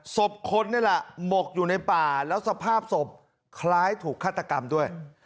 ศพคนนี่แหละหมกอยู่ในป่าแล้วสภาพศพคล้ายถูกฆาตกรรมด้วย